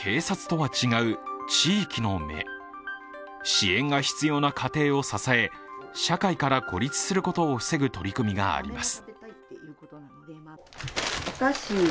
支援が必要な家庭を支え社会から孤立することを防ぐ取り組みがあります。